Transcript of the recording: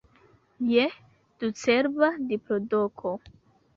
Je ducerba diplodoko!